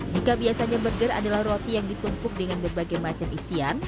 jika biasanya burger adalah roti yang ditumpuk dengan berbagai macam isian